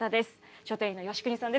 書店員の吉國さんです。